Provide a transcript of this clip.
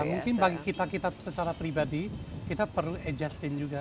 mungkin bagi kita secara pribadi kita perlu adjust in juga